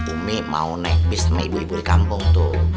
umi mau naik bis sama ibu ibu di kampung tuh